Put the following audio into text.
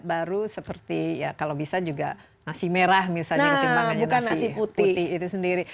baru seperti ya kalau bisa juga nasi merah misalnya ketimbangannya juga nasi putih itu sendiri